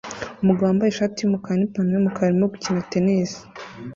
Umugabo wambaye ishati yumukara nipantaro yumukara arimo gukina tennis